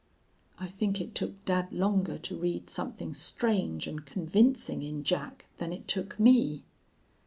"I think it took dad longer to read something strange and convincing in Jack than it took me.